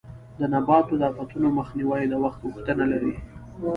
د نباتو د آفتونو مخنیوی د وخت غوښتنه لري.